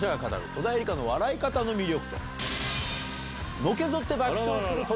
戸田恵梨香の笑い方の魅力」。